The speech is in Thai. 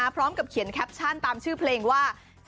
พร้อมกับเขียนแคปชั่นตามชื่อเพลงว่า